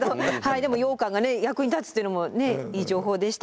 でもようかんが役に立つというのもねえいい情報でした。